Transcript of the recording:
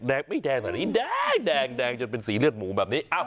แดงไม่แดงแดงแดงแดงจนเป็นสีเลือดหมูแบบนี้